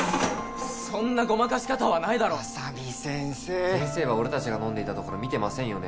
そんなごまかし方はないだろ浅見先生先生は俺達が飲んでいたところ見てませんよね？